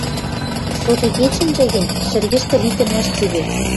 Сотыгечӹнжӹ гӹнь шӹргӹштӹ литӹмӓш цевер.